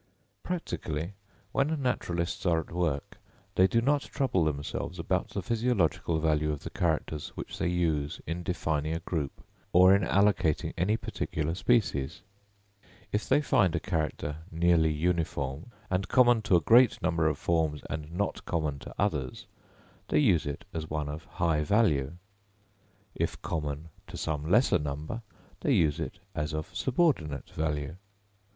Practically, when naturalists are at work, they do not trouble themselves about the physiological value of the characters which they use in defining a group or in allocating any particular species. If they find a character nearly uniform, and common to a great number of forms, and not common to others, they use it as one of high value; if common to some lesser number, they use it as of subordinate value.